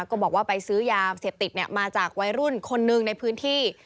บอกว่าไปซื้อยาเสพติดมาจากวัยรุ่นคนหนึ่งในพื้นที่